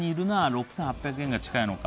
６８００円が近いのか。